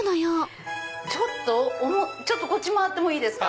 ちょっとこっち回ってもいいですか？